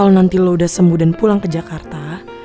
kalau nanti lo udah sembuh dan pulang ke jakarta